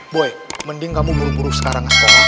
boy mending kamu muruh muruh sekarang ke sekolah